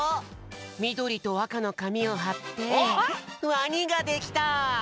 みどりとあかのかみをはってワニができた！